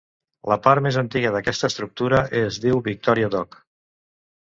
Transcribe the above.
La part més antiga d'aquesta estructura es diu Victoria Dock.